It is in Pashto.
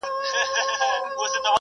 ځه چې ځو کابل ته